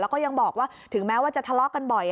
แล้วก็ยังบอกว่าถึงแม้ว่าจะทะเลาะกันบ่อย